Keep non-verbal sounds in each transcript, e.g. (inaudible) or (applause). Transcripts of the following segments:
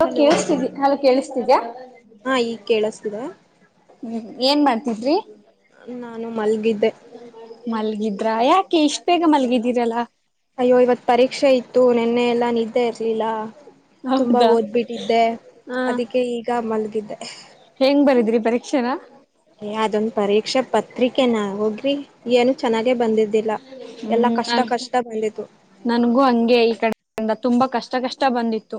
ಹಲ ಹಲೋ ಕೇಳಿಸಸ್ತಿ ಹಲೋ ಕೇಳಿಸ್ತಿದ್ಯಾ ಹಾ ಈಗ ಕೇಳಿಸ್ತಿದೆ ಹ್ಮ್ ಏನ್ ಮಾಡ್ತಿದ್ರಿ ನಾನು ಮಲ್ಗಿದ್ದೆ ಮಲ್ಗಿದ್ರ ಯಾಕೆ ಇಷ್ಟ ಅಯ್ಯೋ ಇವತ್ ಪರೀಕ್ಷೆ ಇತ್ತು ನಿನ್ನೆ ಎಲ್ಲಾ ನಿದ್ದೆ ಇರ್ಲಿಲ್ಲ ತುಂಬಾ ಹೌದಾ ಓದ್ಬಿಟ್ಟಿದ್ದೆ ಹಾ ಅದಕ್ಕೆ ಈಗ ಮಲ್ಗಿದ್ದೆ ಪರೀಕ್ಷೆನಾ ಅದೊಂದ ಪರೀಕ್ಷಾ ಪತ್ರಿಕೆನ ಹೋಗ್ರಿ ಏನು ಚೆನ್ನಾಗಿ ಹ್ಮ ಬಂದಿತ್ತು ನನ್ಗೂ ಹಂಗೆ ಈ ಕಡೆ ತುಂಬಾ ಕಷ್ಟ ಕಷ್ಟ ಬಂದಿತ್ತು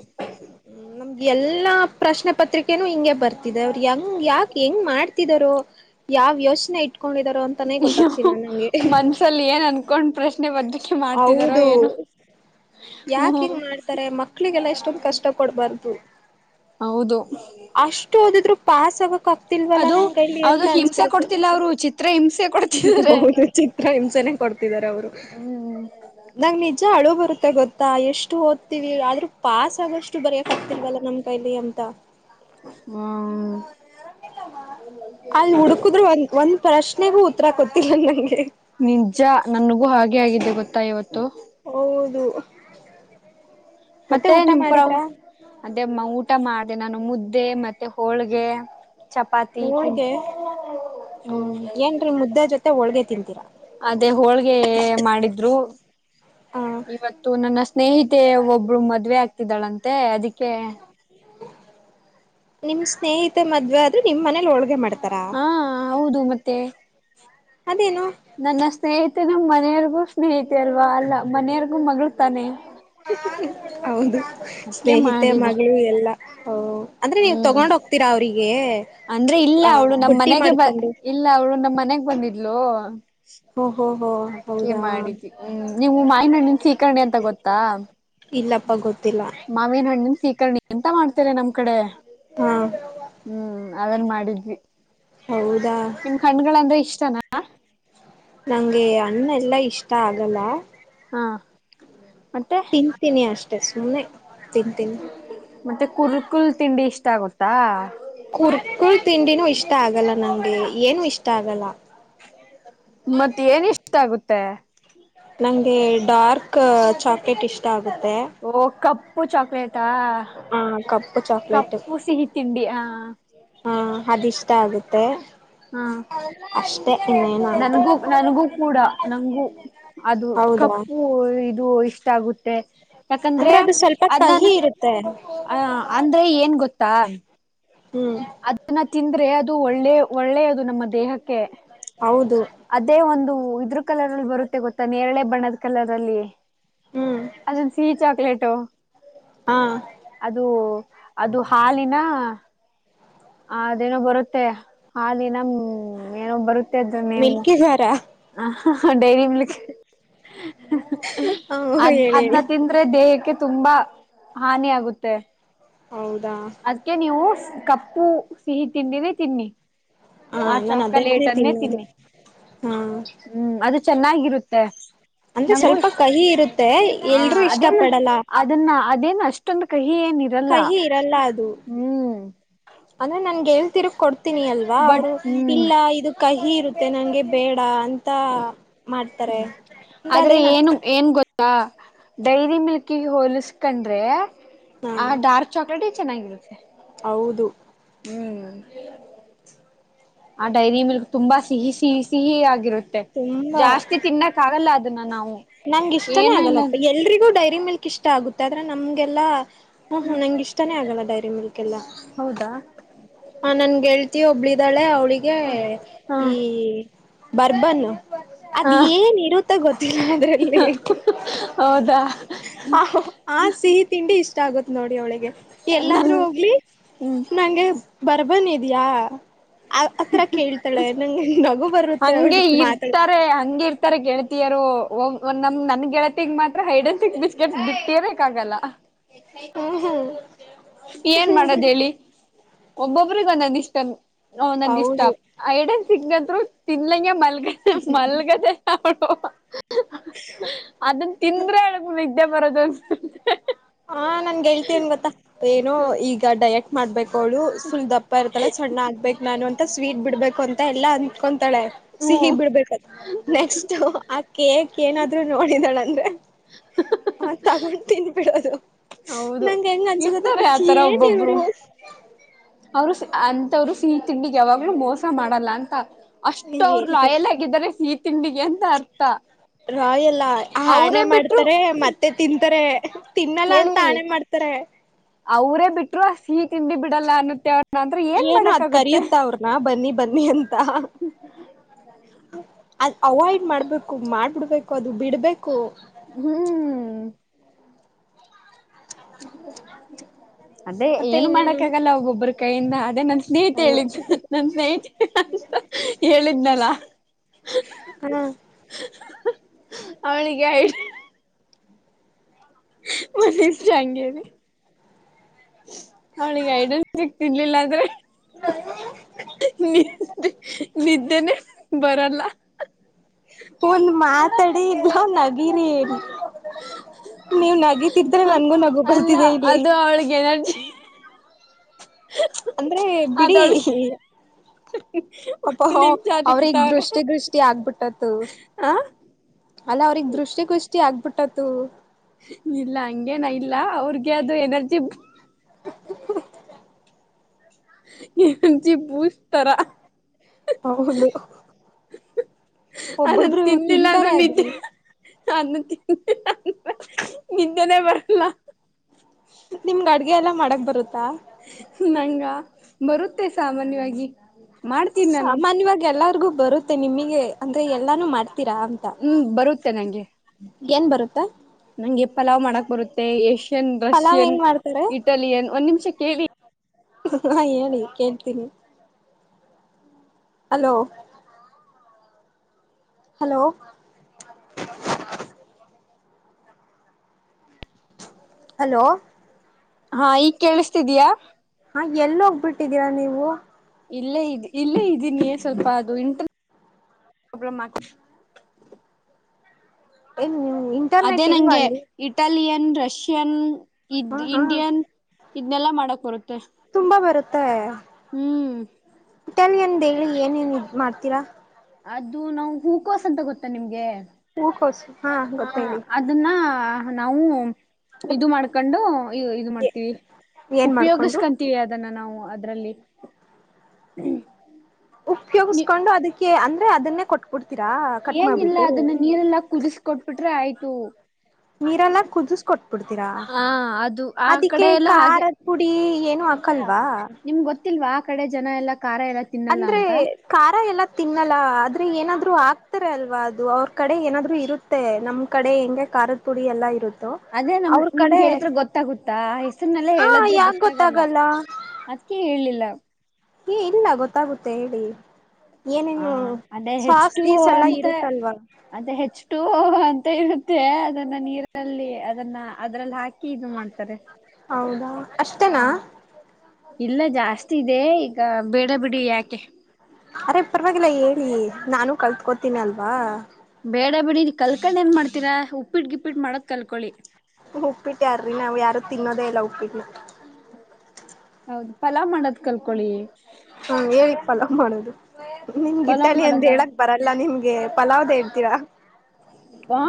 ಹ್ಮ ನಮ್ಗೆ ಎಲ್ಲಾ ಪ್ರಶ್ನೆ ಪತ್ರಿಕೆನೂ ಹಿಂಗೆ ಬರ್ತಿದೆ ಅವ್ರು ಯಂಗ ಯಾಕ ಹೆಂಗ್ ಮಾಡ್ತಿದರು ಯಾವ್ ಯೋಚನೆ ಇಟ್ಕೊಂಡಿದಾರೋ ಅಂತಾನೇ ಗೊತ್ತಾಗ್ತಾನೆಲ್ಲ ನಂಗೆ ಕೊಂಡ್ ಪ್ರಶ್ನೆ ಬದಕೆ ಮಾಡ್ತಿದಾರೋ ಹೌದು ಏನು ಯಾಕ ಹಿಂಗ್ ಮಾಡ್ತಾರೆ ಮಕ್ಳಿಗೆಲ್ಲ ಎಷ್ಟೊಂದ ಕಷ್ಟ ಕೊಡ್ಬಾರ್ದು ಹೌದು ಅಷ್ಟು ಹದಿದ್ರು ಪಸ್ ಆವ ಆಗ್ತಿಲ್ವಲ್ಲ ಅದು ನಂ ಕೈಲಿ ಅದು ಅಂತ ಹಿಂಸೆ ಅನ್ಸ್ಬಿಡದೆ ಕೊಡ್ತಿಲ್ಲ ಅವರು ಚಿತ್ರ ಹಿಂಸೆ ಕೊಡ್ತಿದ್ದಾರೆ ಚಿತ್ರ ಕೊಡ್ತಿದ್ದಾರೆ ಅವರು ಹ್ಮ್ ನ ನಿಜ ಅ ಬರುತ್ತೆ ಗೊತ್ತಾ ಎಷ್ಟು ಓದ್ತಿೀವಿ ಆದ್ರೂ ಪಸ್ ಆಗಷ್ಟು ಬರೆಯಕ್ ಆಗ್ತಿಲ್ವಲ್ಲ ನಮ್ ಕೈಲಿ ಅಂತ ಹ್ಮ್ ಅಲ್ಲಿ ಹುಡುಕುದ್ರರು ಒಂದ ಒಂದ ಪ್ರಶ್ನೆಭೂತ್ ನಿಜ ನನಗೂ ಹಾಗೆ ಆಗಿದ್ದೆ ಗೊತ್ತಾ ಇವತ್ತು ಹೌದು ಮತ್ತೆ ಊಟ ನಿಮ ಪ್ರ ಮಾಡಿದ್ರಾ? ಅದೇ ಊಟ ಮಾಡ ಮತ್ತ ನಾನು ಮುದ್ದೆ ಮತ್ತೆ ಹೋಳ್ಗೆ ಚಪಾತಿ ತಿನ್ ಹೋಳ್ಗೆ ಹೂ ಏನ್ರೀ ಮುದ್ದೆ ಜೊತೆ ಹೋಳ್ಗೆ ತಿಂತೀರಾ? ಅದೇ ಹೋಳ್ಗೆ ಮಾಡಿದ್ರು ಹ ಇವತ್ತು ನನ್ನ ಸ್ನೇಹಿತೆ ಒಬ್ಬಳು ಮದ್ವೆ ಆಗ್ತಿದ್ದಾಳಂತೆ ಅದಕ್ಕೆ ನಿಮ್ ಸ್ನೇಹಿತ ಮದ್ವೆೆ ಆದ್ರೆ ನಿಮ್ ಮನೇಲಿ ಹೋಳ್ಗೆ ಮಾಡ್ತ ಹಾ ಹೌದು ಮತ್ತೆ ಅದೇನು? ನನ್ನ ಸ್ನೇಹಿತ ನಮ್ಮ ಮನೆಯವರ್ಗೂ ಸ್ನೇಹಿತ ಅಲ್ವಾ ಅಲ್ಲ ಮನೆಯವರ್ಗೂ ಮಗಳು ತಾನೆ ಹೌದು ಅದ್ಕೆ ಸ್ನೇಹಿತೆ ಮಾಡಿದ್ರು ಮಗಳು ಎಲ್ಲಾ ಹ ಅಂದ್ರೆ ನೀವು ಹ್ಮ್ ತಗೊಂಡ ಹೋಗ್ ೀರಾ ಅವರಿಗೆ ಅಂದ್ರೆ ಇಲ್ಲ ಅವಳು ನಮ್ ಮನೆಗೆ ಬ ಇಲ್ಲ ಅವಳು ನಮ್ ಮನೆಗ್ ಬಂದಿದ್ಲು ಓಹೋ ಹೋ ಹೋ ಅದಕೆ ಹೌದಾ ಮಾಡಿದೀದು ನೀವು ಮಾಯಿನಹಣ್ಣಿನ ಸೀಕರ್ಣಿ ಅಂತ ಗೊತ್ತಾ ಇಲ್ಲಪ್ಪ ಗೊತ್ತಿಲ್ಲ ಮಾವಿನ ಹಣ್ಣಿನ ಸೀಕರ್ಣಿ ಎಂತ ಮಾಡ್ತೀರ ನಮ್ ಕಡೆ ಹಾ ಹೂ ಅದ್ನ ಮಾಡಿದ್ವಿ ಹೌದಾ ನಿಮ್ ಕಣ್ಗಳಂದ್ರೆ ಇಷ್ಟನಾ ನಂಗೆ ಹಣ್ಣು ಎಲ್ಲಾ ಇಷ್ಟ ಆಗಲ್ಲ ಹಾ ಮತ್ತೆ ತಿಂತೀನಿ ಅಷ್ಟೆ ಸುಮ್ನೆ ತಿಂತೀನಿ ಮತ್ತೆ ಕುರ್ಕುಲ್ ತಿಂಡಿ ಇಷ್ಟ ಗತ್ತ ಗೊತ್ತಾ ಕುರ್ಕೂರೆ ತಿಂಡಿನೂ ಇಷ್ಟ ಆಗಲ್ಲ ನಂಗೆ ಏನು ಇಷ್ಟ ಆಗಲ್ಲ ಮತ್ತೆ ಏನ್ ಇಷ್ಟ ಆಗುತ್ತೆ ನಂಗೆ ಡಾರ್ಕ್ ಚಾಕ್ಲೇಟ್ ಇಷ್ಟ ಆಗುತ್ತೆ ಉಪ್ಪು ಚಾಕ್ಲೇಟಾ ಹ ಕಪ್ಪು ಚಾಕ್ಲೇಟ್ ಕಪ್ಪು ಸಿಹಿ ತಿಂಡಿ ಆ ಅದ ಇಷ್ಟ ಆಗುತ್ತೆ ಹಾ ಅಷ್ಟೇ ಇನ್ನೇನು ಆಯ್ತು ನನ್ಗೂ ನನಗೂ ಕೂಡ ನನ್ಗೂ ಅದು ಹೌದಾ ಕಪ್ಪು ಇದು ಇಷ್ಟ ಗುತ್ತೆ ಯಾಕಂದ್ರೆ ಅಂದ್ರೆ ಅದು ಸ್ವಲ್ಪ ಕಹಿ ಅದಾನ ಇರುತ್ತೆ ಅ ಅಂದ್ರೆ ಏನ್ ಗೊತ್ತಾ ಹ್ಮ್ ಅದನ್ನ ತಿಂದ್ರೆ ಅದು ಒಳ್ಳೆ ಒಳ್ಳೆಯ ಅದು ನಮ್ಮ ದೇಹಕ್ಕೆ ಹೌದು ಅದೇ ಒಂದು ಇದ್ರ ಕಲರ್ ಅಲ್ಲಿ ಬರುತ್ತೆ ಗೊತ್ತಾ ನೇರಳೆ ಬಣ್ಣದ ಕಲರ್ ಅಲ್ಲಿ ಹ್ಮ್ ಅದೊಂದು ಸಿಹಿ ಚಾಕ್ಲೇಟು ಹಾ ಅದು ಅದು ಹಾಲಿನ ಅ ಅದೇನೋ ಬರುತ್ತೆ ಹಾಲಿನಮ ಏನೋ ಬರುತ್ತೆ ಮಿಲ್ಕಿದಾರಾ ಡೈರಿಲಿ ಮಿಲ್ಕ್ ಹ ಅದ್ ಹೇಳಿ ಅದ್ನ್ನ ಹೇಳಿ ತಿಂದ್ರೆ ದೇಹಕ್ಕೆ ತುಂಬಾ ಹಾನಿ ಆಗುತ್ತೆ ಹೌದಾ ಅದ್ಕ್ಕೆ ನೀವು ಕಪ್ಪು ಸಿಹಿ ತಿಂಡಿನೆ ತಿನ್ನಿ ಹಾ ಆ ನಾನು ಚಾಕಲೇಟ್ ಅದಕ್ಕನೇ ಅನ್ನೇ ತಿನ್ನೋದು ತಿನ್ನಿ ಹಾ ಹೂ ಅದು ಚೆನ್ನಾಗಿರುತ್ತೆ ಅಂದ್ರೆ ನಂಗು ಇ ಸ್ವಲ್ಪ ಕಹಿ ಇರುತ್ತೆ ಹ ಎಲ್ರೂ ಇಷ್ಟ ಅದೇನ ಪಡಲ್ಲ ಅದನ್ನ ಅದೇನ ಅಷ್ಟೊಂದು ಕಹಿ ಏನ ಇರಲ್ಲ ಅ ಹ್ಮ್ ಅಂದ್ರೆ ನನ್ಗೆಳ್ ತಿರು ಕೊ ಿ ಅಲ್ವಾ ಬಟ್ ಅವರು ಹ್ಮ್ ಇಲ್ಲ ಇದು ಕಹಿ ಇರುತ್ತೆ ನಂಗೆ ಬೇಡ ಅಂತ ಮಾಡ್ತಾರೆ ಅಂದ್ರೆ ಆದ್ರೆ ಅದೇನ್ ಅಷ್ಟು ಏನು ಏನ್ ಗೊತ್ತಾ ಡೈರಿ ಮಿಲ್ಕ ಹೋಲಸ್ಕಂಡ್ರೆ ಹಾ ಆ ಡಾರ್ಕ್ ಚಾಕ್ಲೇಟ್ ಚೆನ್ನಾಗಿರುತ್ತೆ ಹೌದು ಹಹೂ ಆ ಡೈರಿ ಮಿಲ್ಕ್ ತುಂಬಾ ಸಿಹಿ ಸಿಹಿ ಸಿಹಿ ಆಗಿರುತ್ತೆ ಮೆ ಜಾಸ್ತಿ ತಿನ್ನಕ್ ಆಗಲ್ಲ ಅದನ್ನ ನಾವು ನಂಗ್ ಇಷ್ಟಾನೇ ಏನ ಇಲ್ಲ ಆಗಲ್ಲಪ್ಪ ಎಲ್ರಿಗೂ ಡೈರಿ ಮಿಲ್ಕ್ ಇಷ್ಟ ಆಗುತ್ತೆ ಆದ್ರೆ ನಮ್ಗೆಲ್ಲ. ಹ್ಮ್ ಹ್ಮ್ ನಂಗ ಇಷ್ಟಾನೇ ಆಗಲ್ಲ ಡೈರಿ ಮಿಲ್ಕ್. ಹೌದಾ. ಹ ನನ್ ಗೆಳತಿ ಒಬ್ಳಿದಾಳೆ ಅವಳಿಗೆ ಹಾ ಈ. ಬರ್ಬನ್ ಹಾ ಅದ್ ಏನ್ ಇರುತ್ತ ಗೊತ್ತಿಲ್ಲ ಅದ್ರಲ್ಲಿ. ಹೌದಾ ಅ ಆ ಸಿಹಿ ತಿಂಡಿ ಇಷ್ಟ ಆಗತ್ ನೋಡಿ ಅವಳಿಗೆ ಎಲ್ಲಾದ್ರೂ ಹೋಗ್ಲಿ. ನಂಗೆ ಬರ್ಬನ್ ಇದಯ ಆತ್ರ ಕೇಳ್ತಾಳೆ ನಂಗೆ ನಗು. ಬರುತ್ತೆ ಹಂಗೆ ಅವಳಿಗೆ ಮಾತಾಡ ಇರ್ತಾರೆ ಹಂಗೆ ಇರ್ತಾರೆ ಗೆಳತಿಯರು. ನಮ್ ನನ್ ಗೆಳತತಿಗ ಮಾತ್ರ ಹೈಡ್ ಅಂಡ್ ಸಿಕ್ ಬಿಸ್ಕೆಟ್ ಬಿಟ್ಟ ಇರಕ್ ಆಗಲ್ಲ. ಹ್ಮ್ ಹ್ಮ್ ಏನ್ ಮಾಡೋದ್ ಹೇಳಿ ಒಬ್ಬೊಬರಿಗ ಒಂದಂದ ಇಷ್ಟ. ಹ ನಂದ್ ಇಷ್ಟ ಹೌದು ಐಡನ್ ಸಿಗದ್ರು ತಿನ್ಲಂಗೆ ಮಲ್ (unintelligible) ಅದನ್ ತಿಂದ್ರೆ ಅಗ್ ನಿದ್ದೆ ಬರೋದು ಅನ್ಸೆ ಹಾ ನನ್ನ ಗೆಳತಿ ಏನ್ ಗೊತ್ತಾ ಏನು ಈಗ ಡಯಾಟ್ ಮಾಡ್ಬೇಕು. (unintelligible) ಸುಲ್ ದಪ್ಪ ಇರ್ತಾಳೆ ಸಣ್ಣ ಆಗ್ಬೇಕು ನಾನು ಅಂತ ಸ್ವೀಟ್ ಬಿಡ್ಬೇಕು ಅಂತ ಎಲ್ಲ ಅತ್ಕೊಂಡ ತಳೆ ಹ್ಮ್ ಸಿಹಿಗ್ ಬಿಡ್ಬೇಕ ನೆಕ್ಸ್ಟ್. (unintelligible) ಕೇಕ್ ಏನಾದ್ರು ನೋಡಿದಾಳ ಅಂದ್ರೆ ಆ ತಗೊಂಡು ತಿನ್ಬಿಡೋದು. ಹೌದು ನಂಗ ಹೆಂಗ ಅನ್ಸದ ಇರ್ತಾರೆ ಆತರ ಏನ್ ಒಬ್ಬೊಬ್ರು. ಇವ್ರು ಅವ್ರು ಅಂತವ್ರು ಸಿಹಿ ತಿಂಡಿಗೆ ಯಾವಾಗ್ಲೂ ಮೋಸ ಮಾಡಲ್ಲ ಅಂತ. ಅಷ್ಟು ಅವರು ಲಾಯಲ್ ಆಗಿದ್ದಾರೆ ಸಿಹಿ ತಿಂಡಿಗೆ ಅಂತ ಅರ್ಥ. ಲಾಯಲ್ ಹಾ ಆಣೆ ಅವರೇ ಬಿಟ್ರು ಮಾಡ್ತಾರೆ ಮತ್ತೆ ತಿಂತಾರೆ. ತಿನ್ನಲ್ಲ ಅಂತ ಕೇಳಿ ಆಣೆ ಮಾಡ್ತಾರೆ. ಅವರೇ ಬಿಟ್ರು ಸಿಹಿ ತಿಂಡಿ ಬಿಡಲ್ಲ ಅನ್ನತ್ತೆ ಅವ ಏನು ಅದ್ ಕರಿಯುತ್ತ ಅವ್ರನ ಬನ್ನಿ ಬನ್ನಿ ಅಂತ. ಅದ್ ಅವಾಯ್ಡ್ ಮಾಡ್ಬೇಕು ಮಾಡ್ಬಿಡ್ಬೇಕು ಅದು ಬಿಡ್ಬೇಕು. ಹ್ಮ್ ಅದೇ ಮತ್ತೆ ಏನು ಇನ್ನೇನು ಮಾಡಕ್ಕಾಗಲ್ಲ ಒಬ್ಬೊಬ್ಬ್ರ ಕೈಯಿಂದ ಅದೇ ನನ್ ಸ್ನೇಹಿತ ಹೇಳಿದ್ನ ನನ್ ಸ್ನೇಹಿತೆ ಅಂತ ಹೇಳಿದ್ನಲ್ಲ. ಹ ಅವಳಿಗೆ (unintelligible) ಅವ್ಳಿಗೆ ಹೈಡ್ ಅಂಡ್ ಸಿಕ್ ತಿನ್ಲಿಲ್ಲ ಅಂದ್ರೆ. (inaudible) ನಿದ್ದೆ ನಿದ್ದೇನೆ ಬರಲ್ಲ. ಒಂದ ಮಾತಾಡಿ ಇದ ನಗೀರಿ. ನೀವ್ ನಗೀ ತಿದ್ರೆ ನನ್ಗೂ ನಗು ಅಲ್ಲ ಬರ್ದಿದೆ ಇಲ್ಲಿ. ಅದು ಅವಳಿಗೆ ಎನರ್ಜಿ ಅಂದ್ರೆ ಬಿಡಿ. ಅದವಳಿಗೆ ಪಾಪ ಒಂದ್ ನಿಮಿಷ ಅವ್ರಗ್ ಅದಕ್ಕಿತ್ತವ್ರೆ ದೃಷ್ಟಿ ಗಿಷ್ಟಿ ಆಗ್ಬಿಟ್ಟತ್ತು. ಹ ಅಲ್ಲ ಅವ್ರಗ್ ದೃಷ್ಟಿ ಗಿಷ್ಟಿ ಆಗ್ಬಿಟ್ಟತ್ತುು. ಇಲ್ಲ ಹಂಗೇನ ಇಲ್ಲ ಅವ್ರಗೆ ಅದು ಎನರ್ಜಿ (inaudible) ಎನರ್ಜಿ ಬೂಸ್ಟ್ ತರ. ಹೌದು ಅದನ್ ಒಬ್ಬೊಬ್ರು ತಿನ್ಲಿಲ್ಲ ಅಂದ್ರೆ ತಿಂತಾರೆ ಅದು ನಿದ್ದೆ ಅನ್ನ ನಿದ್ದೆನೇ ಬರಲ್ಲ. ನಿಮ್ಗೆ ಅಡುಗೆ ಎಲ್ಲ ಮಾಡಕ್ ಬರುತ್ತ. ನಂಗ ಬರುತ್ತೆ ಸಾಮಾನ್ಯವಾಗಿ. ಮಾಡ್ತೀನಿ ನಾನು ಸಾಮಾನ್ಯವಾಗಿ ಎಲ್ಲರಿಗು ಬರುತ್ತೆ ನಿಮಗೆ ಅಂದ್ರೆ ಎಲ್ಲಾನು ಮಾಡ್ ಹ್ಮ್ ಬರುತ್ತೆ ನಂಗೆ ಏನ್ ಬರುತ್ತಾ ನಂಗೆ ಪಲಾವ್ ಮಾಡಕ್ ಬರುತ್ತೆ. ಏಷ್ಯನ್ ಪಲಾವ್ ರಷ್ಯನ್ ಹೆಂಗ್ ಮಾಡ್ತಾರೆ ಇಟಲಿಯನ್ ಒಂದ್ ನಿಮಿಷ ಕೇಳಿ. ಹಾ ಹೇಳಿ ಕೇಳ್ತೀನಿ. ಹಲೋ. ಹಲೋ. ಹಲೋ. ಹಾ ಈಗ್ ಕೇಳಿಸತಿದಯಾ. ಹಾ ಎಲ್ಲಿ ಹೋಗ್ಬಿಟ್ಟಿದ್ದೀರಾ ನೀವು. ಇಲ್ಲೇ ಇದ ಇಲ್ಲೇ ಇದ್ದೀನಿ ಸ್ವಲ್ಪ ಅದು ಇಂಟ್ರ. ಅಬ್ರ ಮಾಕ. ಏನು ನಿ ಅದೇ ನಂಗೆ ಇಟಾಲಿಯನ್ ರಷ್ಯನ್ ಇ ಹಾ ಹಾ ಇಂಡಿಯನ್, ಇದ್ನೆಲ್ಲಾ ಮಾಡಕ್ ಬರುತ್ತೆ ತುಂಬಾ ಹ್ಮ್. ಇಟಾಲಿಯನ್ ಹೇಳಿ ಏನೇಏನ್ ಇದ್ ಮಾಡ್ತೀರಾ? ಅದು ನಾವು ಹೂಕೋಸ್ ಅಂತ ಗೊತ್ತ ನಿಮ್ಗೆ ಹೂಕೋಸು ಹಾ ಹ ಗೊತ್ತ ಹೇಳಿ ಅದನ್ನ, ಹ ನಾವು ಇದು ಮಾಡ್ಕೊಂಡು, ಇದು ಮಾಡ್ತೀವಿ ಏನ್ ಮಾಡ್ಕೊಂಡು ಉಪಯೋಗಸ್ಕೊಂತೀವಿ ಅದನ್ನ ನಾವು ಅದ್ರಲ್ಲಿ. ಉಪ್ಯೋಗಸ್ಕೊಂಡು ಅದಕ್ಕೆ ಅಂದ್ರೆ ಅದನ್ನೇ ಕೊಟ್ಕಡ್ತ. ಏನಿಲ್ಲ ಅದನ್ನ ನೀರೆಲ್ಲಾ ಕುದಿಸಕೊಟ್ಬಿಟ್ರೆ ಆಯ್ತು. ನೀರೆಲ್ಲ ಕುದಿಸಕೊಟ್ಬಿಡ್ತೀರಾ ಹ ಅದು ಆ ಅದಿಕ್ಕೆ ಕಡೆ ಎಲ್ಲ ಹಾಗೆ ಖಾರದ ಪುಡಿ ಏನು, ಇಲ್ಲ ಮಕ್ಕಲ್ವಾ? ನಿಮ್ಗ್ ಗೊತ್ತಿಲ್ವಾ ಆ ಕಡೆ ಜನ ಎಲ್ಲ, ಅಂದ್ರೆ ಖಾರ ಎಲ್ಲ, ತಿನ್ನಲ್ಲ ಆದ್ರೆ ಏನಾದ್ರು ಆಗ್ತಾರ ಅಲ್ವಾ ಅದು ಅವ್ರ ಕಡೆ ಏನಾದ್ರು ಇರುತ್ತೆ ನಮ್ ಕಡೆ ಹೆಂಗ. ಕಾರದ ಪುಡಿ ಎಲ್ಲ ಇರುತ್ತೆ. ಅದೇ ನಮ ನಿಮ್ಗೆ ಹೇಳಿದ್ರೆ ಗೊತ್ತಾಗುತ್ತಾ ಹೆಸ್ರನೆಲ್ಲ ಹಾ ಹೇಳದ್ರೆ ಯಾಕ ಗೊತ್ತಾಗಲ್ಲ. ಅದಕೇ ಹೇಳೇಲಿಲ್ಲ. ಏ ಇಲ್ಲ ಗೊತ್ತಾಗುತ್ತೆ ಹೇಳಿ ಹ ಏನೇನು ಅದೇ ಸಾಸ್ ಹೆಚ್ು ಗೀಸ್ ಎಲ್ಲ ಅಂತ ಇರುತ್ತಲ್ವಾ ಅದ ಹೆಚ್ಚು ಅಂತ. ಇರುತ್ತೆ ಅದನ್ನ ನೀರಲ್ಲಿ ಅದನ್ನ ಅದ್ರಲ್ಲಿ ಹಾಕಿ. ಇದು ಮಾಡ್ತಾರೆ. ಹೌದಾ ಅಷ್ಟೇನಾ. ಇಲ್ಲ ಜಾಸ್ತಿ ಇದೆ ಈಗ ಬೇಡ ಬಿಡಿ ಯಾಕೆ. ಅರೆೇ ಪರವಾಗಿಲ್ಲ ಹೇಳಿ ನಾನು ಕಲ್ತ್ಕೋತೀನಿ ಅಲ್ವಾ. ಬೇಡ ಬಿೇಡಿ ಕಲ್ಕೊಂಡ ಏನ್ ಮಾಡ್ತೀರಾ ಉಪ್ಪಿಟ್ಟ ಗಿಪ್ಪಿಟ್ ಮಾಡದ ಕಲ್ಕಳಿ. ಉಪ್ಪಿಟ್ಟ ಯರಿ ನಾ್ ಯಾರು ತಿನ್ನೋದೇ ಇಲ್ಲ ಉಪ್ಪಿಟ್ಟ. ಹೌದು ಪಲಾವ್ ಮಾಡದ್ ಕಲ್ಕಳಿ. ಮಾಡದು ಪಲಾವ್ ನಿಮಗಿಟ್ಟಲ್ಲಿ ಅಂದ ಮಾಡದ ಹೇಳಕ್ ಬರಲ್ಲ ನಿಮ್ಗೆ ಪಲಾವ್್ದ ಹೇಳ್ತೀರಾ. ಆ.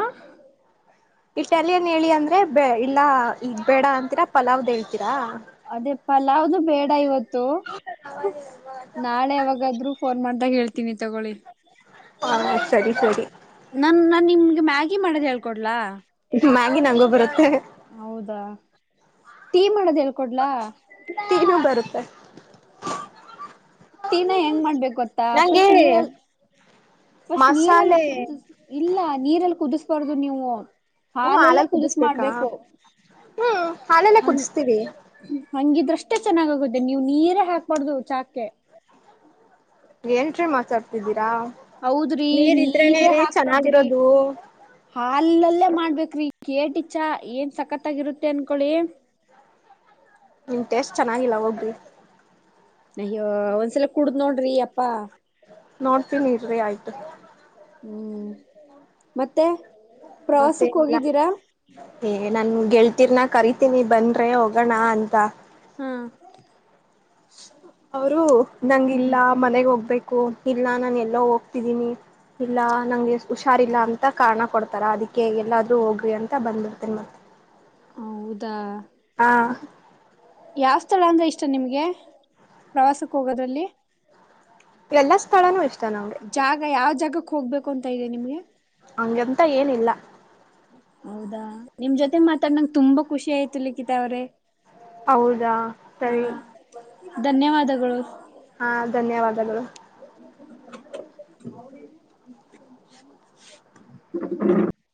ಇಟಾಲಿಯನ್ ಹೇಳಿ ಅಂದ್ರೆ ಬ ಇಲ್ಲಾ ಈಗ್ ಬೇಡ ಅಂತೀರಾ ಪಲಾವ್್ದ ಹೇಳ್ತೀರಾ. ಅದೇ ಪಲಾವದು ಬೇಡ ಇವತ್ತು ನಾಳೆ ಯಾಗಾದ್ೂ ಫೋನ್ ಮಾಡ್ದಾಗ ಹೇಳ್ತೀಿ. ತಿನ್ನಿ ತಗೊೊಳ್ಳಿ. ಹಾ ಸರಿ ಸರಿ. ನಾನ್ ನಾನ್ ನಿಮ್ಗೆ ಮ್ಯಾಗಿ ಮಾಡೋದ್ ಹೇಳ್ಕೊಡ್ಲಾ? ಮ್ಯಾಗಿ ನಂಗೊ ಬರುತ್ತೆ. ಹೌದಾ ಟೀ ಮಾಡೋದ್ ಹೇಳ್ಕೊಡ್ಲಾ ಟೀನು ನಂಗೆ ಟೀನ ಹೆಂಗ್ ಮಾಡ್ಬೇಕ ಗೊತ್ತಾ ಫಸ್ಟ್ ನೀರಲ್ಲಿ ಫಸ್ಟ್ ನೀರಲ್ಲಿ ಮಸಾಲೆ ಕುದ ಇಲ್ಲ ನೀರಲ್ಲಿ ಕುದಿಸಬಾರ್ದು ನೀವು ಹ್ಮ ಹಾಲೆಲ್ಲ ಹಾಲಲ್ಲಿ ಕುದಿಸ ಕುದಿಸ್ಬೇಕಾ ಮಾಡ್ಬೇಕು ಹ್ಮ್ ಹಾಲಲ್ಲೇ ಹಂಗ ಕುದಿಸ್ತೀವಿ ಹಂಗಿದ್ರಷ್ಟೇ ಚೆನ್ನಾಗಗುತ್ತೆ ನೀವು್ ನೀರೇ ಹಾಕ್ಬಾರ್ದು ಚಾಕೆ ೇನ್್ರೀ ಮಾತಾಡ್ತಿದ್ದೀರಾ ಹೌದ್ರಿ ನೀರ್ ಇದ್ರನೆೇ ನೀರೇ ರೀ ಹಾಕ್ಬಾರ್ದ್ರಿ ಚೆನ್ನಾಗಿರೋದು ಹಾಲಲ್ಲೇ ಮಾಡ್ಬೇಕ್ರಿ ಕೇಟಿ ಚಾ ಏನ್ ಸಕತ್ತಾಗಿರುತ್ತೆ ಅನ್ಕೊಳಿ ನಿಮ್ ಟೇಸ್ಟ್ ಚೆನ್ನಾಗಿಲ್ಲ ಹೋಗಿ ಅಯ್ಯೋ ಒಂದ್ಸಲ ಕುಡ್ದ್ ನೋಡ್ರಿ ಅಪ್ಪಾ ನೋಡ್ತೀನಿ ಇರಿ ಆಯ್ತು ಹ್ಮ್ ಮತ್ತೆ ಪ್ರವಾಸಕ್ ಮತ್ತೆಲ್ಲ ಹೋಗಿದ್ದೀರಾ ಏ ನನ್ ಗೆಳ್ತೀರ್ನ ಕರಿತೀನಿ ಬನ್ನಿ ಬನ್ರೀ ಹೋಗೋಣ ಅಂತ ಹಾ ಅವರು ನಂಗ ಹ್ಮ್ ಇಲ್ಲಾ ಮನೆಗ್ ಹೋಗ್ಬೇಕು ಇಲ್ಲ ನಾನು ಎಲ್ಲೋ ಹೋಗ್ತಿದ್ದೀನಿ ಇಲ್ಲ ನಂಗೆ ಹುಷಾರಿಲ್ಲ ಅಂತ ಕಾರಣ ಕೊಡ್ತಾರ ಅದಕ್ಕೆ ಎಲ್ಲಾದ್ರೂ ಹೋಗ್ರಿ ಅಂತ ಬಂದಿರ್ತೇನೆ ಮತ್ತೆ ಹೌದಾ ಹಾ ಯಾವ್ ಸ್ಥಳ ಅಂದ್ರೆ ಇಷ್ಟ ನಿಮ್ಗೆ ಪ್ರವಾಸಕ್ ಹೋಗೋದ್ರಲ್ಲಿ ಎಲ್ಲಾ ಸ್ಥಳಾನೂ ಎಷ್ಟೇ ಜಾಗ ಯಾವ ಜಾಗಕ್ ಹೋಗ್ಬೇಕು ಅಂತ ಇದೆ ನಿಮ್ಗೆ ಹಂಗಂತ ಏನಿಲ್ಲ ಹೌದಾ ನಿಮ್ ಜೊತೆ ಮಾತಾಡನಂಗ ತುಂಬಾ ಖುಷಿ ಆಯ್ತು ಲಿಖಿತ ಅವ್ರೆ ಹೌದಾ ಸರಿ ಹ ಧನ್ಯವಾದಗಳು ಹಾ ಧನ್ಯವಾದಗಳು (inaudible)